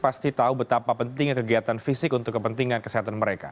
pasti tahu betapa pentingnya kegiatan fisik untuk kepentingan kesehatan mereka